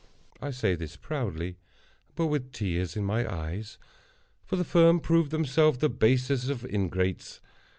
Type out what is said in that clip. I say this proudly, but with tears in my eyes—for the firm proved themselves the basest of ingrates.